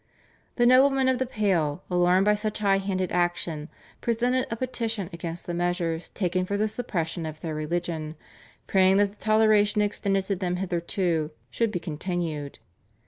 The noblemen of the Pale, alarmed by such high handed action, presented a petition against the measures taken for the suppression of their religion, praying that the toleration extended to them hitherto should be continued.